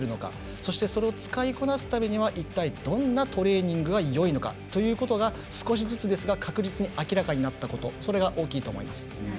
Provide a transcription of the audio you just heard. そして、それを使いこなすためにはいったいどんなトレーニングがよいのかということが少しずつですが確実に明らかになったことそれが大きいと思います。